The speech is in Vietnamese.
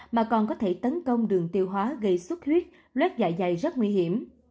mà còn có thể tấn công đường tiêu hóa gây xuất huyết lét dạ dày rất nguy hiểm